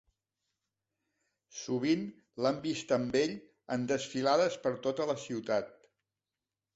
Sovint l'han vista amb ell en desfilades per tota la ciutat.